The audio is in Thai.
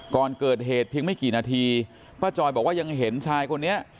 ก่อนเกิดเหตุเพียงไม่กี่นาทีป้าจอยบอกว่ายังเห็นชายคนนี้